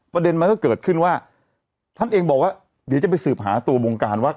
ประเด็นมันก็เกิดขึ้นว่าท่านเองบอกว่าเดี๋ยวจะไปสืบหาตัววงการว่า